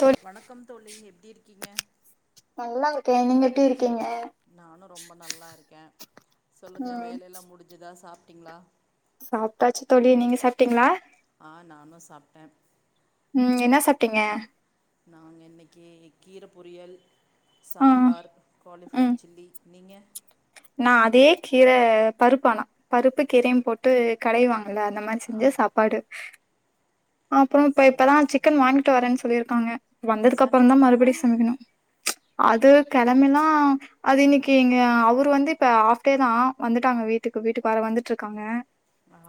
தோழி வணக்கம் தோழி டி இர்க்கீங்கே நல்லாருகே நீங்க எப்டி இ நானோ ரொம்பா நல்லாருக்கே சொல்லுங்கே ம் வேலைலா முடிஞ்சுதா சாப் டீங்ளா சாப்ட்டாச்சு தோழி நீங்க சாப்ட்டீங்ளா ஆ நானும் சாப்ட்டேன் ம் என்ன சாப்டீங்க நாங்க இன்னைக்கு கீர பொரியல் சாம்பார் காலிஃப்ளர் சில்லி நீங்க நான் அதே கீர பருப்பு ஆனா பருப்பு கீரையும் போட்டு கடைவாங்க நல்ல அத மாரி ஆ செஞ்ச சாப்பாடு அப்பறம் சேரி இப்பதான் சேரி சிக்கன் சொல்லு வாங்கிட்டு வரேன்னு சொல்லிரு தாங்க வந்ததுக்கு அப்பறம தான் சனிக்கெழம மறுபடி சமைக்கணும் ச்சூ அது கெழமெல்லாம் அது இன்னிக்கு இங்க அவுரு வந்து ந்து இப்ப ஹாஃடே தான் வந்துட்டாங்க வீட்டுக்கு வீட்டுக்காரர் வந்துட்டு இருக்காங்க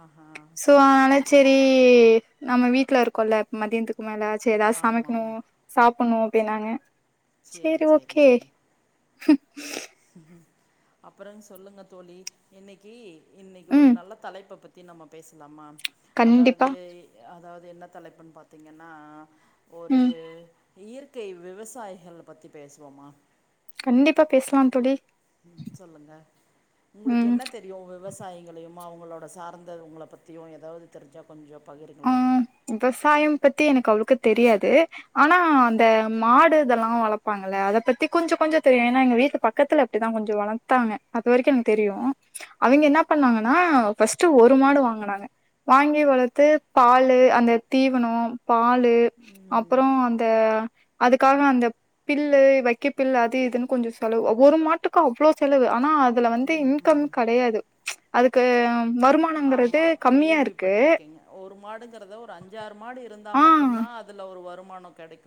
ஆஹா சோ சேரி அதனால சேரி நம்ம வீட்ல இருக்கோல்ல இப்ப மதியந்துக்கு மேலாச்சு ஏதாவது ஆமா சமைக்கணும் ஆமா சாப்பணும் பே நாங்க செரி ஓகே ஹு ம் [inaudible] ஹு ஹு அப்பற சொல்லுங்க தோழி இன்னைக்கு இன்னைக்கு ஒரு ம் நல்ல தலைப்ப பத்தி பத்தி நம்ம பேசலாமா கண்டிப்பா அதாவது அதாவது என்ன தலைப்புன்னு பாத்தீங்கன்னா ஒரு ம் இயற்கை விவசாயிகள் பத்தி பேசுவோமா கண்டிப்பா பேசலாம் தோழி ம் சொல்லுங்க உங்களுக்கு ம் என்ன தெரியும் விவசாயிங்களையும் ம் அவங்களோட சார்ந்தவங்கள பத்தியும் ஏதாவது தெரிஞ்சா கொஞ்சம் ஆ விவசாயம் பத் பத்தி எனக்கு அவ்ளோக்கு தெரியாது ஆனா அந்த மாடு இதெல்லா வளர்ப்பாங்கல்ல அத பத்தி கொஞ்ச கொஞ்ச தெரியும் ஏன்னா எங்க வீட்டு பக்கத்துல அப்டிதா கொஞ்ச வளத்தாங்க அது வரைக்கும் எனக்கு தெரியும் அவிங்க என்ன பண்ணாங்கன்னா ஃபஸ்ட்டு ஒரு மாடு வாங்கனாங்க வாங்கி வளர்த்து பாலு அந்த தீவனம் பாலு ம் அப்பறோ அந்த அதுக்காக அந்த பில்லு வைக்க பில் அது இதுன்னு கொஞ்ச செலவு ஒரு மாட்டுக்கு அவ்வுளோ செலவு ஆனா அதுல வந்து இன்கம் கிடயாது அதுக்கு ஆமா வருமானங்கிறது கம்மியா கேள்வி இருக்கு பட்ருக்கேங்க ஒரு மாடுக் கறக்ரத ஒரு அஞ் சாரு மாடு இருந்தா மட்டு தா அதுல ஒரு வரும் மானம் கெடைக்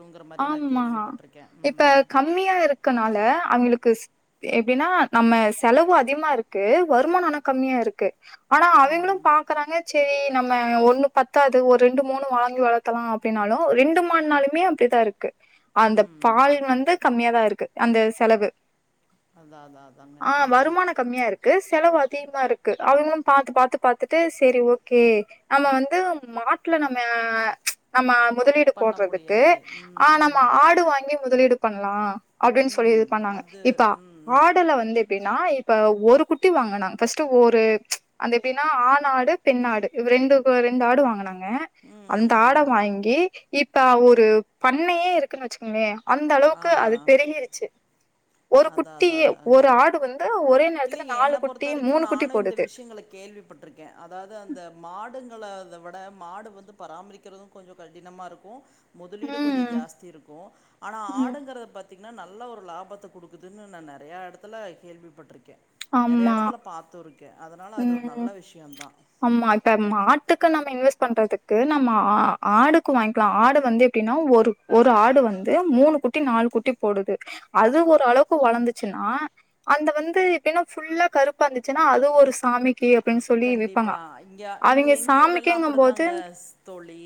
ஆம்மா இப்ப கம்மியா இருக் க்கனால அவய்ங்களுக்கு ஸ் எப்டின்னா நம்ம செலவு அதிகமா இருக்கு வருமானம் ஆன கம்மியா இருக்கு ஆனா ம் அவய்ங்களும் பாக்குறாங்க சேர் நம்ம ஒண்ணு பத்தாது ஒரு ரெண்டு மூணு வாங்கி வளர்த்தலாம் அப்டின்னாலும் ரெண்டு மாடுன்னாலுமே அப்டிதா இருக்கு அந்த ம் பால் வந்து கம்மியாதா இருக்கு அந்த செலவு அதா அதா அதாங்க ஆ வருமானம் கம்மியா இருக்கு செ செலவு அதிகமா இருக்கு அவங்கள பாத்து பாத்து பாரத்துட்டு செரி ஓகே நம்ம வந்து மாட்டுல நம்ம நம்ம முதலீடு பண்ண போட்றதுக்கு முடியாது ம் ஆ நம்ம ம் ஆடு வாங்கி முதலீடு பண்ணலா அப்டின்னு சொல்லி ம் இது பண்ணாங்க அது இப்ப ம் ஆடுல வந்து எப்டின்னா இப்ப ஒரு குட்டி வாங்கினாங்க ஃபஸ்ட்டு ஒரு அந்த எப்டின்னா ஆண் ஆடு பெண்ணாடு ரெண்டு ரெண்டு ஆடு வாங்கனாங்க க ம் அந்த ஆட ம் வாங்கி இப்ப ஒரு பண்ணையே இருக்குன்னு வச்சுக்கங்கவே அந்த ஆ அளவுக்கு அது பெருகிருச்சு ஒரு குட்டியே ஒரு ஆடு வந்து ஒரு இல்லிங்கே என்னை பொறுத்த வரைக்கும் நானும் இந்த விஷயங்கள கேள்விப்பட்டிருக்கே அதாவது அந்த மாடுங் ங்ளத விட மாடு வந்து பராமரிக்கிறதும் கொஞ்சோ கடினமா இருக்கும் முதலீடு கொஞ்சம் ம் ஜாஸ்தி இருக்கும் ஆனா ம் ஆடுங்கறத பத் நல்ல ஒரு லாபத்தை கொடுக்குதுன்னு நான் நெறையா இடத்துல கேள்விப்பட்டிருக் ஆம்மா அதனால அது ஒரு உம் நல்ல விஷயந்தா ஆம்மா இப்ப மாட்டுக்கு நாம்ம இன்வெஸ்ட் பண்றதுக்கு நம்ம ஆ ஆடுக்கு வாங்கிக்கலாம் ஆடு வந்து எப்படின்னா ஒரு ஒரு ஆடு வந்து மூணு குட்டி நாலு குட்டி போடுது அது ஓரளவுக்கு வளர்ந்துச்சுன்னா அந்த வந்து டின்னு ஃபுல்லா கருப்பா இருந்துச்சுன்னா அது ஒரு சாமிக் கண்டிப்பா இங்க இங்க அவிங்க எங்க ஊர்ல எல்லாம் சாமிக்குங்கும் போது அப்படிதாங்க தோழி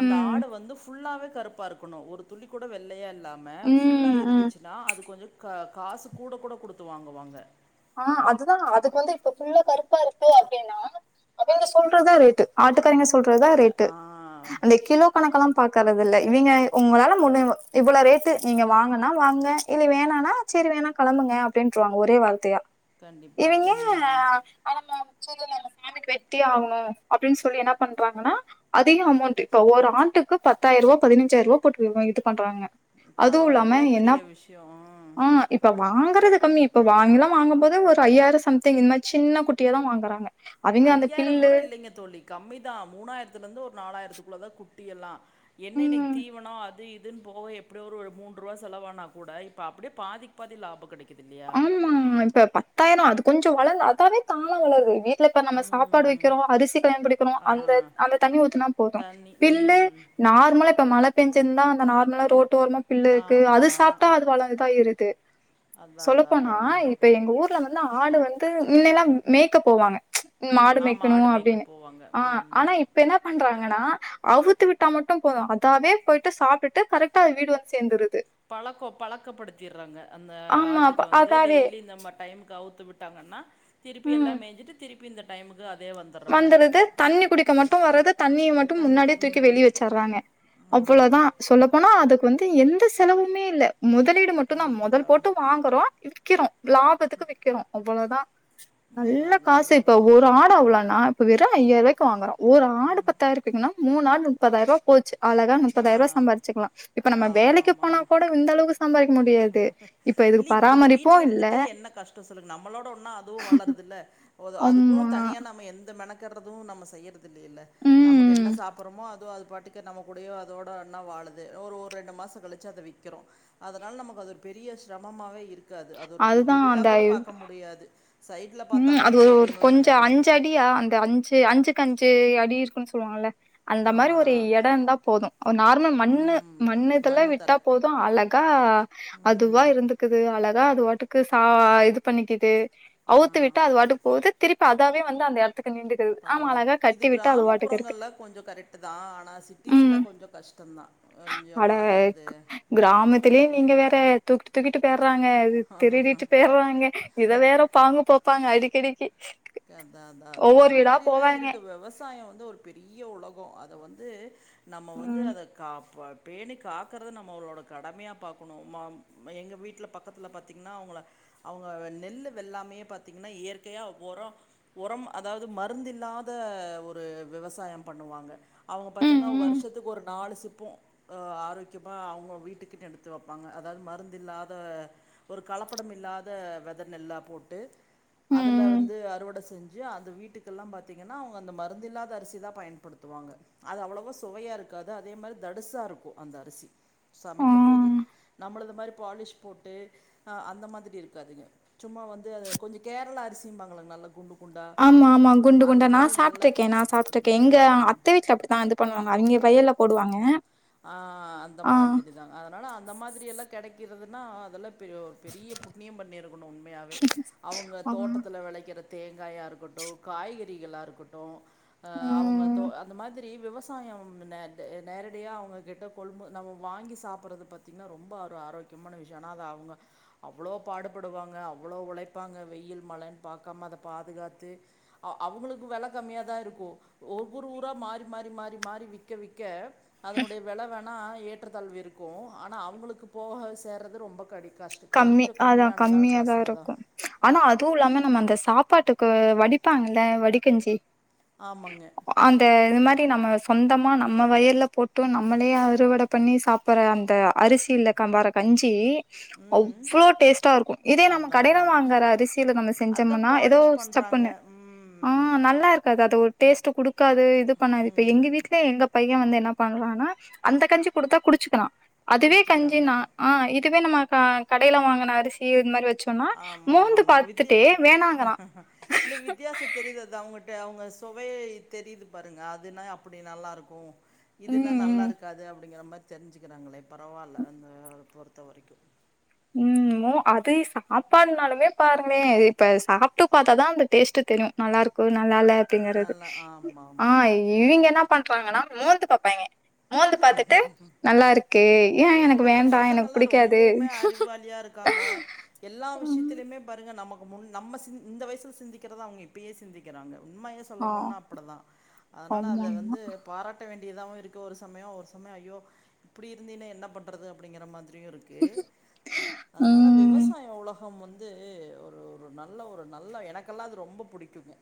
அந்த ஆடு வந்து ஃபுல்லாவே கருப்பா இருக்கணும் ஒரு துளி கூட வெள்ளையா இல் இல்லாம புல்லா ம் ம் இருந்துச்சுன்னா அது கொஞ்சோ க காசு கூட கூட குடுத்து வாங்குவாங்க ஆஹ் அதுதான் அதுக்கு வந்து இப்ப ஃபுல்லா கருப்பா இருக்கு அப்படின்னா அவய்ங்க சொல்றதுதான் ரேட்டு ஆட்டுக்காரங்க சொல்றதான் க ரேட்டு ஆ அந்த கிலோ கணக்கெல்லாம் பாக்கறது இல்ல இவய்ங்க உங்களால முடி இவளோ ரேட்டு நீங்க வாங்கனா வாங்க இல்ல வேணானா சரி வேணா கிளம்புங்க அப்டின்னு வாங்க ஒரே வார்த்தையா கண்டிப்பா. இவிங்க ஆ ம். சொல்லுங்க நாங்க சாமிக்கு வெட்டியே ஆகணும் அப்டின்னு சொல்லி என்ன பண்றாங்கன்னா அதிக அமௌண்ட் இப்ப ஒரு ஆண்டுக்கு பத்தாயிரம் ரூபா பதினஞ்சாயிரம் ரூபா போட்ட இதுக் பண்றாங்க அதுவும் பரவா இல்லாம எவ்ளோ பெரிய என்னாப் விஷயம். ம். ஆஹ இப்ப வாங்கறது கம்மி இப்ப வாங்கலாம் வாங்கும் போது ஒரு ஐயாயிரம் சம்திங் இந்த மாரி சின்ன குட்டிய தான் வாங்குறாங்க அவிங்க அந்த ஐயாயிரம் பில்லு கூட இல்லைங்க தோழி கம்மி தான் மூணாயிரத்தல இருந்து ஒர் நாலாயிரத்துக்குள்ள தான் குட்டி எல்லாம் என்ன இன்னிக்கு ம் தீவன அது இது இப்போ எப்படியோ ஒரு மூன்று ரூபா செலவானா கூட இப்ப அப்பிடியே பாதிக்கு பாதி லாபம் கடை ஆமா இப்ப பத்தாயிரம் அதுக்கு கொஞ்சம் வளரலாம் அதாவே தான வளருது இப்ப நம்ம சாப்பாடு ம் வைக்கிறோம் அரிசி பயன் படுத்துறோம் ஆ அந்த அந்த தண்ணி ஊத்துனா போதும் தண்ணி பிள்ளு ம் நார்மலா இப்ப மழை பெஞ்சுருந்தா அந்த நார்மலா தோல் ஓரமா பில்ல இருக்கு அது ஆமா சாப்புட்டா அது வளர்ந்து தான் இருக்கு அதா அதா சொல்லப்போனா அதாங்க இப்ப எங்க ஊர்ல இப்பெல்லா ஆடு வந்து முன்னல்லாம் மேய்க்க போவாங்க சச்சு ம் மாடு ஆமா ஆடு மேய்கணும் மேய்க்க அப்பிடின்னு போவாங்க ஆ ம் ஆனா இப்ப என்ன பண்றாங்க இல்லன்னா அவுத்து விட்டா மட்டும் போதும் அதாவே போயிட்டு சாப்பிட்டுட்டு கரெக்டா வீடு வந்து சேர்ந்துருது பழக்க பழக்கப்படுத்திடுறாங்க அந்த ஆமா அப்ப ஆட்டுக்கு ம் வந்து அதாவே. டெய்லி நம்ம டைம் அவுத்து விட்டாங்கன்னா திருப்பி எல்லாமேஞ்சுட்டு திருப்பி இந்த டைமுக்கு அதே வந்துர்ற மாரி வந்துறது தண்ணி குடிக்க மட்டும் வர்றது தண்ணிய மட்டும் தண்ணி முன்னாடியே தூக்கி ம் வெளிய வச்சடுறாங்க ம் அவ்ளோதான் சொல்லப்போனா அதுக்கு வந்து எந்த செலவுமே இல்ல முதலீடு மட்டும் தான் கன்னித்தி மொதல் பாவ போட்டு வாங்குறோம் க்கிறோம் லாபத்துக்கு விக்கணும் அவ்ளோதான் அதா நல்லா அதா காசு அதா இப்ப ஒரு ஆடு நான் அப்ப வெறும் ஜயாயிரம் ரூபாய்க்கு வாங்கறோம் ஒரு ஆடு பத்தாயிரத்துக்குனா மூணு ஆடு முப்பதாயிரம் ரூவாய் போச்சு அழகா ஆ முப்பதாயிரம் ரூவாய் சம்பாதிச்சுக்கலாம் இப்ப நம்ம ஆமா வேலைக்கு ஆமா போனா ஆமா கூட இந்த அளவுக்கு சம்பாதிக்க முடியாது இப்ப இதுக்கு இல்ல இதுல பராமரிப்போ வீட்ல இல்ல இருந்துட்டே என்ன கஷ்டம் சொல்லுங்க நம்மளோட ஒன்னா அதுவும் வளருதுல்ல கிறதும் நம்ம செய்யறது இல்லையில்ல நமக்கு என்ன ம் சாப்பிடறோமோ அதுவுன் அது பாட்டுக்கு கூடயோ அதோட ஒண்ணா வாழுது ஒரு ரெண்டு மாசம் கழிச்சு அத விக்கிறோம் அதனால நமக்கு அது ஒரு பெரிய இருக்காது அது ஒரு தொழிலா கூட பார்க்க முடியாது சைட்ல பாத்தா உம் கூட அது ஒரு போதும்னு கொஞ்சம் நெனைக்கிறே அஞ்சு அடியா அந்த அஞ்சு அஞ்சு கஞ்சு அடி இருக்குன்னு சொல்லுவாங்கல்ல அந்த மாதிரி ஆமா ஒரு இடம் இருந்தா போதும் நார்மல் மண்ணு ம் மண்ணு இதுல விட்டா தர போதும் அழகா அது ம் பாட்டுக்கு சா இது பண்ணிக்கிட்டு அவுத்து ஆ விட்டா அது பாட்டுக் போது திருப்பி அதாவே வந்து அந்த எட் பரவால்ல இது பாட்டுக்கு இருக்கு. கிராமப்புறங்கள்ல கொஞ்சோ கரெக்ட்டுதா ஆனா சிட்டீஸில்ல ம். கொஞ்சோ கஷ்டந்தா கொஞ்சோ அட வளர்க்கறது க் கிராமத்திலயே நீங்க வேற தூக்கிட்டு தூக்கிட்டுப்ப போடுவாங்க இது திருடிட்டு போயிர்வாய்ங்க இத வேற போப்பாங்க அடிக்கடிக்கு கே அதா அதா அதாங்க ஒவ்வொரு இந்த வீடா மாரி எல்லா போவாங்க. இருக்கு வெவசாய வந்து ஒரு பெரிய உலகோ அத வந் து நம்ம வந்து ம். அத காப்பா பேணி காக்கறுது நம்மோளோட கடமையா பார்க்குணு மா எங்க வீட்ல பக்கத்தில பாத்தீங்ன்னா அவுங்க அவுங்க நெல்லு வெல்லாமையே பாத்தீங்கனா இயற்கையா ஒரோ ஒரம் அதாவது மருந்து இல்லாத ஒரு வெவசாயம் பண்ணுவாங்க அவுங்க பாத்தீன்னா ம், வருஷத்துக்கு ஒரு நாலு சிப் ப்போ அ ஆரோக்கியமா அவுங்க வீட்டுக்குன் எடுத்து வப்பாங்க அதாது மருந்தில்லாத ஒரு கலப்படம் இல்லாத வெத நெல்லா போட்டு ம், அதுல ம். வந்து அறுவ வ செஞ்சு அத வீட்டுக்கெல்லா பாத்தீங்கனா அவுங்க அந்த மருந்தில்லாத அரிசிதா பயண்படுத்துவாங்க அத அவ்வளவா சுவையா இருக்காது அது மாரு தடுசா இருக்கோ அந்த அரிசி ஆ. சமைக்கும்போது நம்மள்டு மாரி பாலிஸ் போட்டு ஆஹ் அந்த மாதிரி இருக்காது குண்டு ஆமா ஆமா குண்டு குண்டா நான் நல்லா சாப்ட்ருக்கே நான் சாப்ட்ருக்கே எங்க ஆ ம் அத்த வீட்ல அப்டிதான் பண்ணுவாங் அவிய்ங்க வைய்யல்ல போடுவாங்க ஆஹ் அந்த ஆ, மாதிரி தா அதுனால அந் அந்த மாதிரி எல்லா கெடைக்கிறதுனா அதெல்லா பியோ பெரிய புண்ணிய பண்ணிருக்குணு உண்மையாவே அவுங்க ஆ. தோட்டத்துல வெளைக்கிறத் தேங்காயா இருக்கட்டு காய்கறிகளா இருக்கட்டு ஆஹ் அவுங்க ம். தோ அந்த மாதி வி விவசாயம் நே த நேர டியா அவுங்க கிட்ட கொள்மு நம்மு வாங்கி சாப்புறது பாத்தீங்ன்னா ரொம்ப ஆரு ஆரோக்கியமான விஷ்யோ ஆனா அத அவுங்க அவ்ளோ பாடுபடுவாங்க அவ்வுளோ உழைப்பாங்க வெயில் மழன் பாக்காம அத பாதுகாத்து அவ் அவுங்களுக்கு வெல கம்மியாதா இருக்கு ஒவ்வொரு ஊரா மாறி மாறி மாறி மாறி விக்க விக்க அதனுடைய வெல வேணா ஏற்றதாழ்வு இருக்கு ஆனா அவுங்களுக்கு போக சேர்றது ரொம்ப கடி கஷ்ட கம்மி கொஞ்சம் அதா கம்மியானதா கம்மியாதா காசு அதா இருக்கு ஆனா அது இல்லாம நம்ம அந்தஸ் சாப்பாட்டுக்கு வடிப்பாங்குல வடிக்கஞ்சி ஆமாங்க அந்த இது மார் தி நம்ம சொந்தமா நம்ம வயல்ல போட்டு நம்மளே அறுவட பண்ணி சாப்புற அந்த அரிசில கம்பாற கஞ்சி ம் அவ்ளோ டேஸ்ட்டா இருக்கு இதே நம்ம அதா கடைல அதாங்க வாங்கற அரிசில நம்ம அதுதா செஞ்சம்முனா எதோ பாலிஷ் பண்றாங்க ஸ்சப்புண்ணு ம் ஆஹ் நல்லா இருக்காது அ தோர் டேஸ்ட்ட குடு இருக்காது இது பண்ணாது இப்ப எங்க வீட்ல எங்க பை யா வந்து என்ன பண்றானா அந்த கஞ்சி குடுத்தா குடிச்சுக்குறா அதுவே கஞ்சி குடிச்சுக்கிறாங்க நா ஆஹ் இர் க்கு வேணுமாக்கா கடைல வாங்குன அரிசி இந் மார் வச் ஆமா ஆமாங்க வித்யா வேணாங்கறான். இல்ல வித்யாசோ தெரியுது அது அவுங் கிட்ட அவ்ங்க சுவையே தெரியுது பாருங்க அதுனா அப்டி நல்லா இருக்கு ம் இதுன்னா ம் நல்லாருக்காது அப்டிங்கற மா தெரிஞ்சுக்கிறாங்களே பரவால்ல அந்த பொறுத்த வரைக்கு உம் மோ அதே சாப்பாடுனாலுமே பாருங்க இப்ப சாப்ட்டு பாத்தா தா அந்த டேஸ்ட்டு தெரியு நல்லா இருக்கோ ந நல்லா இல்ல அப்டிங்கறது நல்லா ஆமா ஆ ஆமா இவிங்கெல்லா ஓங்கேங்களா மோந்து பாப்பாங்க மோந்து பாத்துட்டு நல்லா இருக்கே ஏ ஐயோ எனக்கு வேண்டா எனக் பிடிக்காது வாலியா இருக்காங்க எல்லா ம். விஷ்யத்திலைமே பாருங் எ நமக்கு முன் நம்ம சிந் இந்த வயசுல சிந்திக்கிறத அவ்ங்க இப்பயே சிந்திக்கிறாங்க உண்மைய ஆ சொல்லணும்னா அப்டி தா அதுனால அத ஆமாமா வந்து பாராட்ட வேண் இதாவு இருக்கு ஒரு ச சமயோ ஒரு சமயோ ஐயோ இப்புடி இருந்தீன்னா என்ன பண்றது அப்டிங்கற மாதிர் அப்டியு இருக்கு அதனால ம் விவசாய உலகம் வந் து ஒரு ஒரு நல்ல ஒரு நல்ல எனக்கெல்லா அது ரொம்ப புடிக்குங்க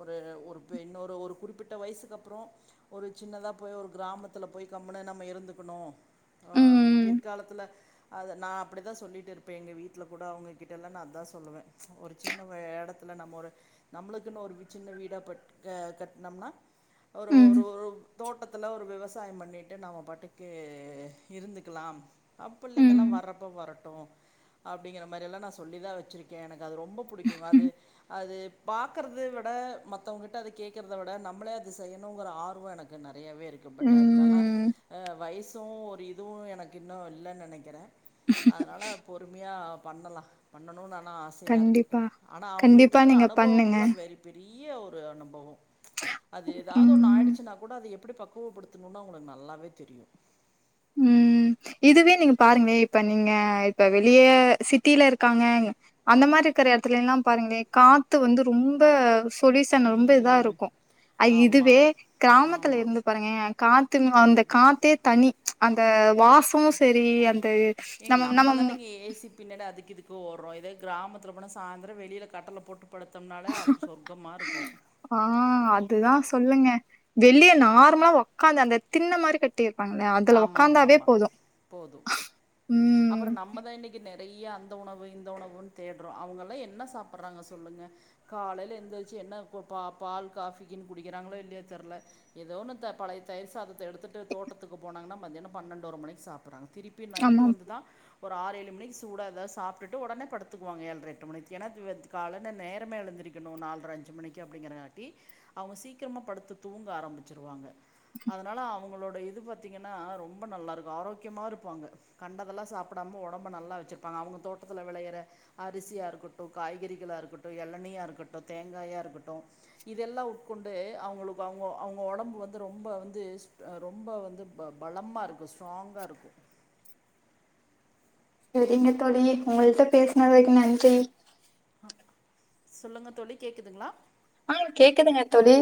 ஒரு ஒரு பென்னோரு ஒரு குறிப்பிட்ட வயசுக்கப்பறோ ஒரு சின்னதா போயி ஒரு கிராமத் த்துல போய் கம்முனு நம்ம இருந்துக்கணு ஆ ம் பிற்காலத்துல அத நா அப்படித்தா சொல்லிட்டுருப்பே எங்க வீட்ல கூட அவங்ககிட்டெல்லா நா அதா சொல்லுவே ஒரு சின்ன வ எடத் இல்ல நம்ம ஒரு நம்மளுக்குன்னு ஒரு சின்ன வீடா பட் ஆஹ் கட்னம்னா ஒரு ம் ஒரு ஒரு தோட்டத்துல ஒரு விவசா விவசாயம் பண்ணிட்டு நம்ம பாட்டுக்கு இருந்துக்கலாம் அ பிள்ளைங்கல்லா ம் வரப்போ வர ட்டு அப்டிங்கிற மாரியெல்லா நா சொல்லி தா வச்சிருக்கே எனக் அது ரொம்ப பிடிக்குங்க அது அது பாக்கறது விட மத்தவங்க கிட்ட அது கேக்கறத விட நம்மளே அது செய்யணும்ங்கற ஆர்வோ எனக்கு ந நெறையாவே இருக்கு பட் அது ம் ஏவ் வயசு ஒரு இதுவு எனக்கு இன்னு இல்லன் நெனைக்கிறே அதனால பொறுமையா பண்ணலா பண்ணனு னு ஆனா ஆசையா இருக்கு கண்டிப்பா ஆனா கண்டிப்பா அவுங்கிட்ருக்கற நீங்க பண்ணுங்க அனுபவம்ல்லா வெரி பெரி றியா ஒரு நம்போ அது ஏதாவது ஒண்ணு ம் ஆயிடுச்சுன்னா கூட அது எ எப்டி பக்குவப்படுத் துணும்னா உங்கள நல்லாவே தெரியு உம் இதுவே நீங்க பாருங்களே இப்ப நீங்க இப்ப வெளியே சிட்டில இருக்காங்க அந்த மாரி இருக்கிற எடத்துலலா பாருங்களே காத்து வந்து ரொம்ப பொலயூசன் ரொம்ப ம் இதாருக்கு அய் ஆமா இதுவே கிராமத்துல ஆமா இருந்து பாருங்க காற்று அந்த கண்டிப்பா காத்தே தனி அந்த வாசமு சரி அந் ஏங்க நம்மதானங்க ஏ சி பின்னாடி அதுக்கு இது ஓடுறோ இதே கிராமத்தில போனா சாய்ந்தரம் வெளியில கட்டல போட்டு படுத்தோம்னாலே ஆப் சொர்க்கமாருக்கு வெள்ளிய நார்மலா உக்காந்து அந்த தின்ன மாரி கட்டி ப்பாங்களா அதுல ஆமா ஆமா ஒக்காந்தாவே ஆமா போது போது உம் நிறைய அந்த உணவு இந்த உணவு தேடுற அவங்கல்லா என்ன சாப்படுறாங்க சொல்லுங்க காலையில எந்திர்ச்சி என்ன பா பால் காபி குடிக்கிறாங்களோ இல்லையோ தெர்ல ஏதோனுத்த பழைய தயிர் சாதத்தை எடுத்துட்டு தோட்ட க்கு போனங்கன்னா மத்தியானம் பன்னண்டு ஒரு மணிக்கு சாப்பறாங்க திருப்பி நைட்டு ஆமா வந்துதா ஒரு ஆறு ஏழு மணிக்கு சூடா எதாவது சாப்பிட்டு உடனே படுத்துக்குவாங்க ஏழரை எட்டு மணிக்கு ஏன்னா [unintelligible] காலன்ன நேரமே எழுந்திருக்கணு நாலரை அஞ்சு மணிக்கு அப்படிங்குறதாட்டி அவங்க சீக்கிரமாக படுத்து தூங்க ஆரம்பிச்சுருவாங்க அதனால அவங்களோட இது பாத்திங்கன்னா ரொம்ப நல்லாயிருக்கும் ஆரோக்கியமா இருப்பாங்க கண்டதெல்லா சாப்பிடாம உடம்பு நல்லா வச்சுருப்பாங்க அவங்க தோட்டத்தில வெளையிற அரிசியா இருக்கட்டு காய்கறிகளாக இருக்கட்டு எளநியா இருக்கட்டு தேங்காயா இருக்கட்டு இதெல்லா உட்கொண்டு அவங்களுக்கு அவங்க அவங்க உடம்பு வந்து ரொம்ப வந்து ஸ் ரொம்ப வந்து பலமா இருக்கு ஸ்ட்ராங்கா இருக்கு சரிங்க தோழி உங்கள்ட்ட பேசின வரைக்கு நன்றி சொல்லுங்க தோழி கேக்குதுங்களா ஆஹ் கேக்குதுங்க தோழி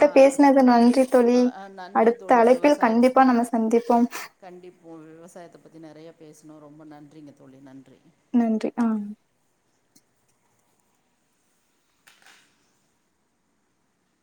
ஆ பேசினதுல நன்றி தோழி அ அ நன்றி அடுத்த தோழி அழைப்பில் கண்டிப்பா விவசாயத்த நம்ம சந்திப்போம் கண்டிப்போ விவசாயத்த பத்தி நெறைய பேசணோ ரொம்ப நன்றிங்க தோழி நன்றி நன்றி ஆஹ்